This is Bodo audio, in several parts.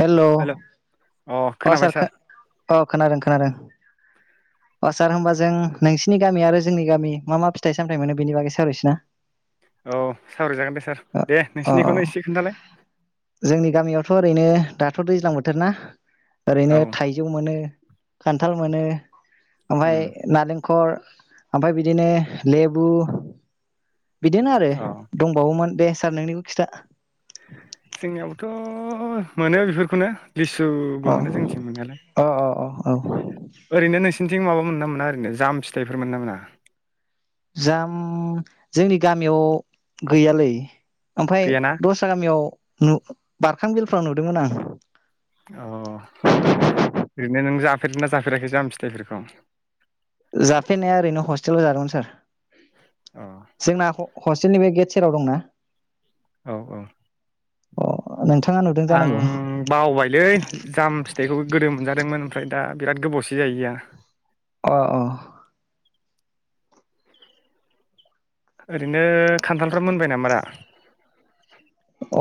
हेलौ हेल' अ सार खो अ खोनादों खोनादों। अ सार होमबा जों नोंसिनि गामि आरो जोंनि गामि मा मा फिथाइ सामथायाइ मोनो बेनि बागै सावरायसैना? औ सावरायजागोन दे सार दे अ अ नोंसिनिखौनो एसे खोन्थालाय। थरैनो दाथ दैज्लां बोथोर ना। ओरैनो औ थाइजौ मोनो। खान्थाल मोनो ओमफाय उम नालेंखर ओमफाय बिदिनो लेबु बिदिनो आरो औ दंबावोमोन। दे सार नोंनिखौ खिथा। जोंनियावबोथ मोनो बेफोरखौनो लिसुबो अ मोनो जोंनिथिं मोननायालाय अ अ अ औ ओरैनो नोंसिनिथिं माबा मोनोना मोना ओरैनो जाम फिथाइफोर मोनो ना मोना? जाम जोंनि गामियाव गैयालै ओमफाय गैयाना दस्रा गामियाव मु बारखांबिलफ्राव नुदोंमोन आं। अह ओरैनो नों जाफेरदों ना जाफेराखै जाम फिथाइफोरखौ? जाफेरनाया ओरैनो हस्टेलाव जादोंमोन सार। अ जोंना ह हस्टेलनि बे गेट सेराव दंना। औ औ अ नोंथाङा नुदों आं जानांगौ बावबायलै जाम फिथाइखौबो गोदो मोनजा दोंमोन ओमफ्राय दा बिराद गोबावसै जायैया। अह अह। ओरैनो खान्थालफ्रा मोनबाय नामारा?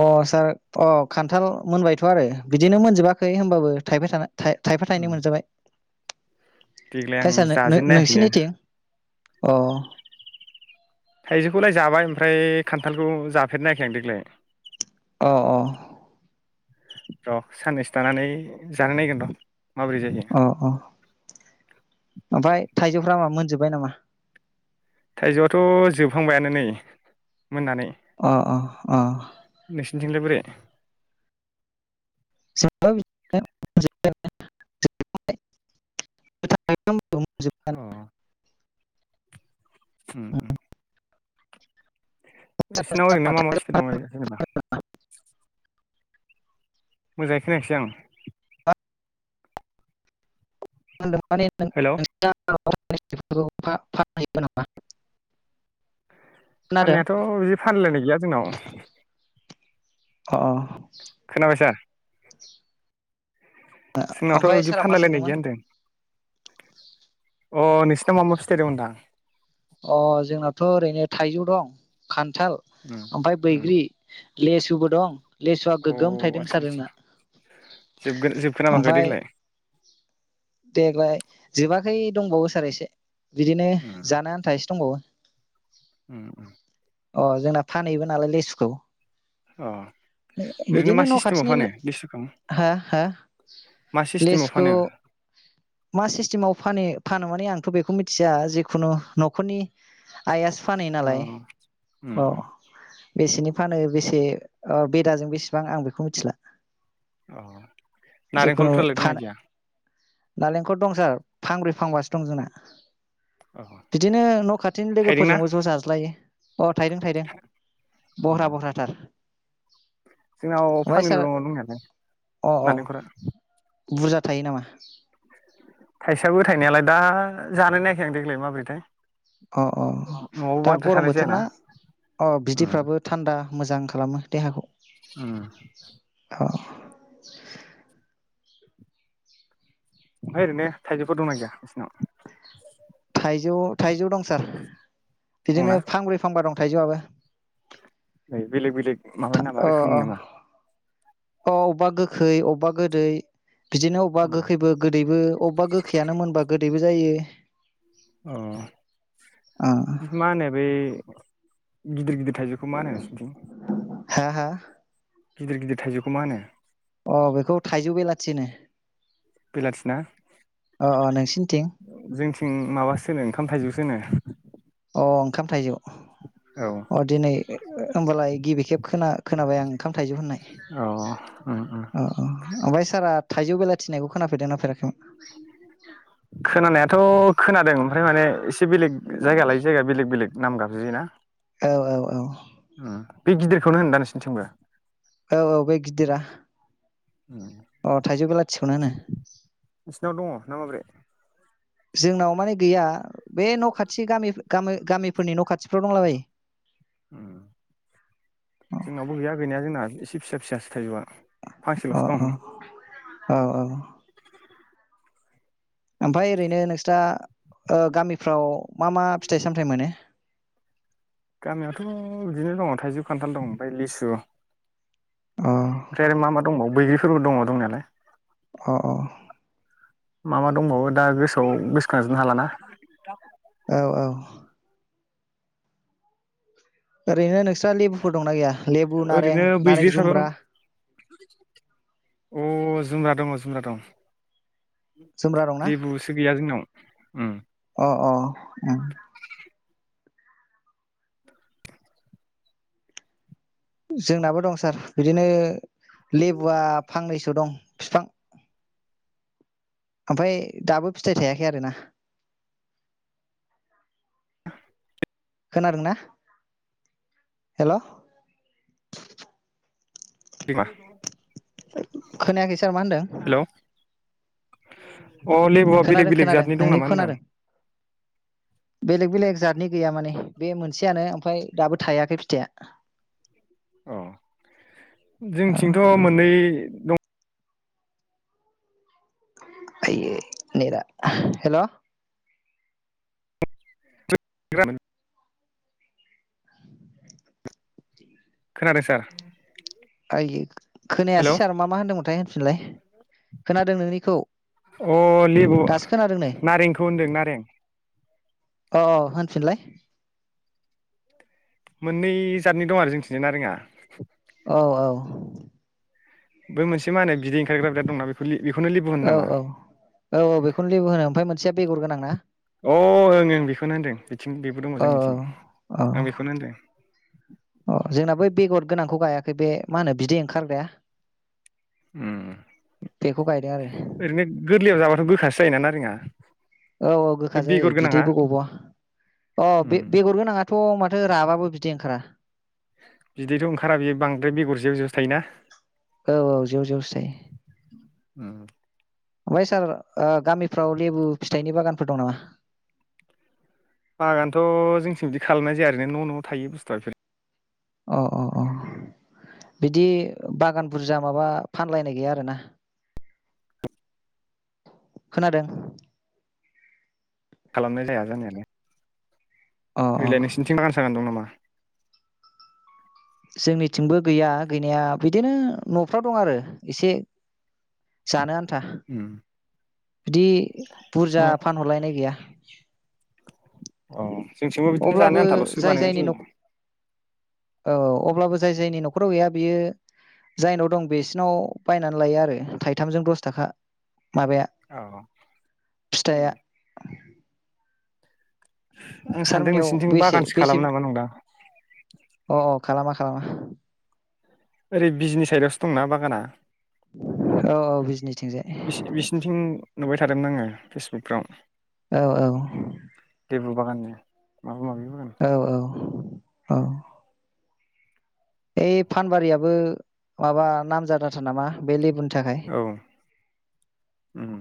अ सार अ खान्थाल मोनबायथ' आरो बिदिनो मोनजोबाखै होमबाबो थायबाय थानाय। था थाइफा थाइनै मोनजाबाय। देग्लाय आं आमफाय सार जाजेननायाखैनो नो-नो-नोंसिनिथिं अह थाइजौखौलाय जाबाय ओमफ्राय खान्थालखौ जाफेरनायाखै आं देग्लाय अह अह र' साननैसो थानानै जानाय नायगोन र' माबोरै जायो अ अ, ओमफाय थाइजौ फ्रा मोनजोब्बाय नामा थाइजौआथ' जोबहांबायानो नै। मोननानै अ अ अ नोंसिनिथिंलाय बोरै [unintelligible] अह उम उम नोंसिनाव ओरैनो मा मा फिथाइ दं ओरैनो जेनेबा मोजाङै खोनायाखिसै आं। हेलौ [unintelligible] [unintelligible] [unintelligible] खोनादों फाननायाथ बिदि फानलायनाय गैया जोंनाव अ खोनाबाय सार? जोंनावथ ओमफ्राय बिदि सारा मा फानलायलायनाय सोंदोंमोन गैया होनदों अ नोंसिनाव मा मा फिथाय दं होनदां? अ जोंनाथ' ओरैनो थाइजौ दं खान थाल उम ओमफ्राय उम बैग्रि लेसुबो दं। लेसुआ अ गोगगोम थाइदों आदसा सार आदसा जोंना जोबगोन जोबखोना माखो ओमफ्राय देग्लाय देग्लाय जोबाखै दंबावो सार एसे बिदिनो उम जानो आन्था एसे दंबावो। उम उम अ जोंना फानहैबो नालाय लेसुखौ। अ ओरैनो बिदिनो मा न' सिस्टेमाव खाथिनि फानो लिसुखौ हा हा मा सिस्टेमाव लेसुखौ फानो मा सिस्टेमाव फानो फानो माने आंथ' बेखौ मिथिया जेखुनु न'खरनि आइयासो फानहै औ नालाय उम उम अह। बेसेनि फानो बेसे बेदाजों बेसेबां आं बेखौ मिथिला अ जिखुनु नारेंखलफोरालाय फान दंना गैया? नालेंखर दं सार फांब्रै फांबासो दं जोंना। औ बिदिनो न' खाथिनि थाइदों ना लोगोफोरजोंबो ज' जाज्लायो अ थायदों थायदों औ बह्रा बह्रााथार। जोंनाव फांनैल दङ दंनायालाय अ अ नालेंखरा बुरजा थायो नामा [unintelligible] थायसाबो थायनायालाय दा जानायनायाखै आं देग्लाय माब्रैथाय अ अ दा गरम बोथोर जायाना ना अ उम बिदैफ्राबो थान्दा मोजां खालामो देहाखौ। उम। [unintelligible] ओमफाय ओरैनो थाइजौफोर दंना गैया नोंसिनाव थाइजौ थाइजौ दं सार। दङना बिदिनो फांब्रै फांबा दं। थायजौआबो नै बेलेग बेलेग माबा नामा अ अ रोखोमनि नामा? अ अबबा गोखै अबबा गोदै बिदिनो अबबा गोखैबो गोदैबो अबबा गोखैयानो मोनबा गोद दैबो जायो अ मा नो बै गिदिर गिदिद थाइजौखौ मा नो नोसिनथिं? हा हा। गिदिर गिदिर थाइजौखौ मा होनो? अ बेखौ थाइजौ बेलाथि होनो। बेलाथिना अ अ नोंसिनिथिं जोंथिं माबा सो नो ओंखाम थाइजौ। सो नो अ ओंखाम थाइजौ। औ अ दिनै ए। ओ होमबालाय गिबि खेब खोना खोनाबाय आं ओंखाम थाइजौ होननाय औ उम उम अ अ ओमबाय। सारा थाइजौ बेलाथिनायगौ खोनाफेरदों ना फेराखैमोन। खोनानायाथ खोनादों ओमफ्राय माने इस बे बेलेग जायगा लायो जयगा बेलेग बेलेग। नाम गाबजियो ना? औ औ औ उ। बे गिदिरखौनो होनदा नोंसिनथिंबो। औ औ बै गिदिरा। अ थाइजौ बेलाथिखौनो होनो। नोंसिनाव दङ ना माब्रै जोंनाव माने गैया। बे न खाथि गामि ग गामि गामिफोरनि न खाथिफ्राव दंला बायो। ओ जोंनावबो गैया गैनाया जोंना एसे फिसा फिसा थाइजौवा‌। अ फांसेलसो दं। औ औ। ओमफाय ओरैनो नोंस्रा ओ गामिफ्राव मा मा फिथाइ सामथाइ मोनो? गामियावथ बिदिनो दङ थाइजौ खान्थाल दं ओमफाय लिसु। अ [unintelligible] दङ बैग्रिफोरबो दङ दंनायालाय। अ अ मा मा दंबावो दा गोसोआव गोसखाजोबनो हालाना। औ औ ओरैनो नोस आ लेबुफोर दंना गैया लेबु नारें ओरैनो नारें बैग्रिफ्राबो जुम्ब्रा। अ जुम्रा दङ जुम्रा दं जुमब्रा दंना लेबुसो गैया जोंनाव उम अ अ उम जोंनाबो दं सार बिदिनो लेबुआ फांनैसो दं बिफां ओमफाय दाबो फिथाइ थायाखै आरोना। खोनादोंना हेलौ, बिमा। खोनायाखै सार मा होनदों हेल' [inaudible] अ लेबुआ बेलेग खोनादों बेलेग खोनादों जातनि दं नोंनिखौ नामा होनदां? खोनादों जादनि गैया माने बे मोनसेयानो ओमफ्राय दाबो थायाखै फिथाइया। औ। जोंथिंथ मोननै दं। [unintelligible] हेलौ [unintelligible] खोनादों सार आइयो हेलौ खोनायासै सार मा मा होन्दोंमोनथाय? सुलाय अ लेबु दासो खोनादों नै नारेंखौ होनदों नारें। अ अ होनफिनलाय मोननै जादनि दं आरो जोंनिथिंजाय नारेंया औ औ। बै मोनसे मा होनो बिदै ओंखारग्रा बिराद दंना बेखौ लि औ औ औ औ बेखौनो लेबु होनो ओमफ्राय मोनसेया बेगर गोनां ना अ' ओं ओं बेखौनो होनदों बि थिं बेबो दङ औ जोंनिथिं आं बेखौनो होनदों। अ जोंना बै बेगर गोनांखौ गायाखै बे मा होनो बिदै ओंखारग्राया उम बेखौ गायदों आरो ओरैनो गोरलैयाव जाबाथ' गोखासो जायोना ना नारेंया औ औ गोखा जायो बिदैबो गबावा अ उम बे-बेगर गोनाङाथ' माथो राबाबो बिदै ओंखारा बिदैथ ओंखारा बे बांद्राय बेगर जेयाव जेवसोथायोना औ औ जेव जेवसो जायो। उम ओमफ्राय सार गामिफ्राव लेबु फिथाइनि बागानफोर दं नामा? बागानथ' जोंथिं बिदि खालामनाय जाया रैनो न' न'आव थायो बुस्थुआ बेफोर अ अ अ बिदि बागान बुरजा माबा फानलायनाय गैया आरोना? खोनादों। खालामनाय जाया जानायालाय अ अ ओरैलाय नोंसिनिथिं रानसानानै दं नामा। [inaudible] जोंनिथिंबो गैया गैनाया बिदिनो न'फ्राव दं आरो एसे जानो आन था। उम बिदि बुरजा जोंना फानहरलायनाय गैया। औ। जोंथिंबो बिदिनो जानो अब्लाबो आन्थाल'सो जाय बानायनाय जायनि जायो न'ख औ। अब्लाबो जाय जायनि न'खराव गैया बियो जायनाव दं बेसिनाव बायनानै लायो आरो थाइथामजों दस थाखा। माबाया औ फिथाइया आं आं सानदों सारमोननियाव नोंसिनिथिं बेसे बागानसो बेसे खालामो नामा नंदां। अ खालामा अ ओरै बिजनि साइदआवसो दंना बागाना। औ बिजनिथिंजाय बिसि बिसिनिथिं नुबाय थादोंमोन आङो फेसबुकफ्राव। औ औ लेबु बागाननि माबा माबि बागान औ औ औ ओइ फानबारियाबो माबा नामजादाथार नामा बे लेबुन थाखाय औ उम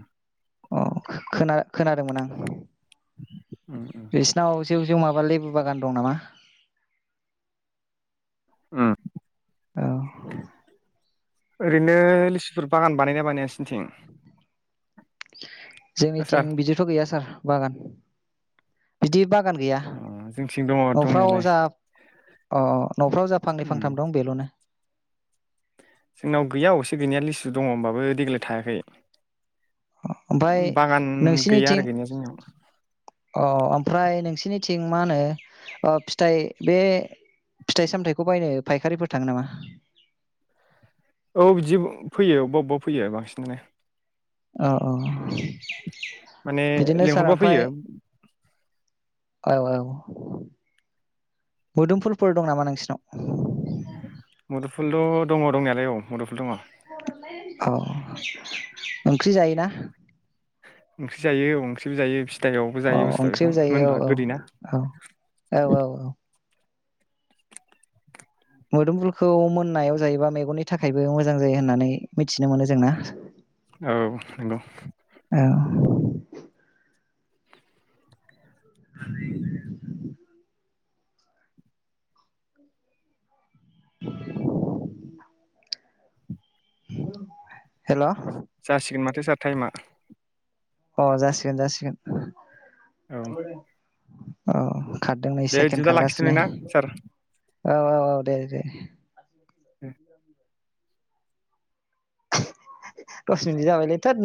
अ' खोना खोनादोंमोन आं उम उम बेसिनाव जेव जेव माबा लेबु बागान दं नामा? उम औ ओरैनो लिसुफोर बागान बानायोना बानायास थिं [inaudible] जोंनिथिं बिदिथ गैया सार। बागान बिदि बाग गान गैया अ जोंथिं दङ न'फ्राव दंनायालाय जा अ न'फ्राव जा फांनै उम फांथाम दं बेल'नो। जोंनाव गैया अबसे गैनाया लिसु दङ ओमबाबो देग्लाय थायाखै। अ' ओमफाय बागान गैया नोंसिनिथिं आरो गैनाया जोंनियाव अ' ओमफ्राय नोंसि निथिं मा होनो ओ फिथाइ बे फिथाइ सामथाइखौ बायनो फायखारिफोर थाङो नामा? औ बिदि फैयो अबबा अबबा फैयो बांसिनानो। अ' अ' माने लिंहरबा ओमफ्राय फैयो औ औ मुदुफुलफोर दं नामा नोंसिनाव मुदुफुलद दङ दंनायालाय औ मुदुफुल दङ। औ ओंख्रि जायोना। ओंख्रि जायो अंख्रिबो जायो बि औ ओंख्रिबो जायो औ औ औ औ औ औ मुदुफुलखौ मोननायाव जायोबा मेगननि थाखायबो मोजां जायो होननानै मिथिनो मोनो जोंना औ नोंगौ औ। [inaudible] [unintelligible] हेल जासिगोन माथो सार टाइमा। अ जासिगोन जासिगोन। औ [inaudible] औ। खारदों नै दे सेकेणड इदिब्ला खारगासिनो लाखिथनि ना सार औ औ औ दे दे। ओम। दसमिनिद जाबायलै दोद नों।